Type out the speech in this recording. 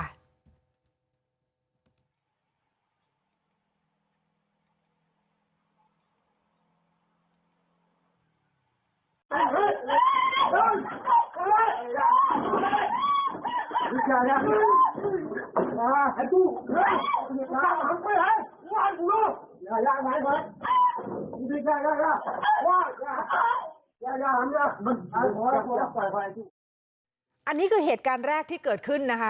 อันนี้คือเหตุการณ์แรกที่เกิดขึ้นนะคะ